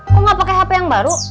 kok gak pake hp yang baru